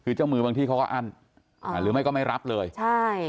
คือเจ้ามือบางที่เขาก็อั้นอ่าหรือไม่ก็ไม่รับเลยใช่